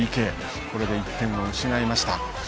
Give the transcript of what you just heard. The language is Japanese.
これで１点を失いました。